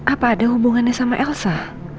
apa ada hubungannya sama elsa